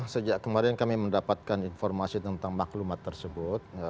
sejak kemarin kami mendapatkan informasi tentang maklumat tersebut